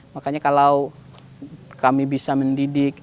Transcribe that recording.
makanya kalau kami bisa mendidik